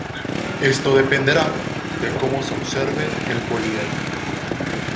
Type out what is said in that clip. Esto dependerá de cómo se observe el poliedro.